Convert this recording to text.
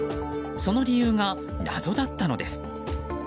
その理由が謎だったのです。